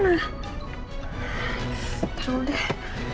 nih taruh deh